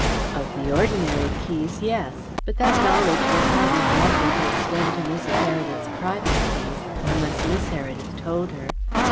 "Of the ordinary keys yes. But that knowledge was hardly likely to extend to Mrs. Heredith's private keys, unless Miss Heredith told her.